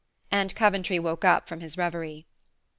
And Coventry woke up from his reverie.